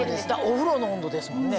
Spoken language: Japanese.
お風呂の温度ですもんね？